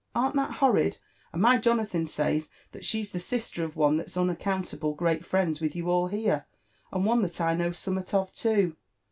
Arn't that horrid ?— And my Jonathan says that she's the sister of one that's unaccountable great friends with you all here, and one thati know summat of too.